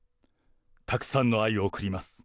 たくさんの愛を送ります。